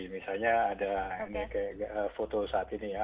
misalnya ada ini kayak foto saat ini ya